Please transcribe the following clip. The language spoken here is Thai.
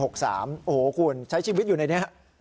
โอ้โหคุณใช้ชีวิตอยู่ในนี้